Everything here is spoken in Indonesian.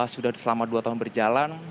sudah selama dua tahun berjalan